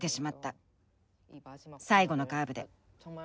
最後のカーブで。